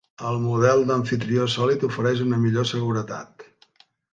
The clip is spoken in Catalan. El model d'amfitrió sòlid ofereix una millor seguretat.